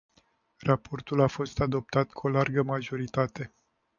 Raportul a fost adoptat cu o largă majoritate.